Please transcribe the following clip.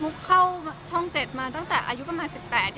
เข้าช่อง๗มาตั้งแต่อายุประมาณ๑๘